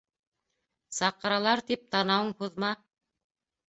Саҡыралар тип, танауың һуҙма